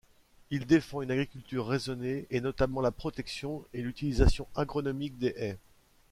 Il défend une agriculture raisonnée et notamment la protection et l'utilisation agronomique des haies.